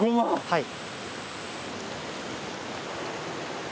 はい。